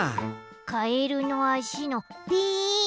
カエルのあしのぴーん！